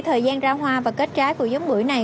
thời gian ra hoa và kết trái của giống bưởi này